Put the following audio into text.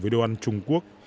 với đồ ăn trung quốc